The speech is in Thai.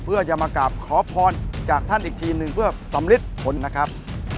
เพื่อจะมากราบขอพรจากท่านอีกทีหนึ่งเพื่อสำลิดผลนะครับ